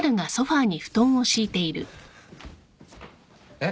えっ？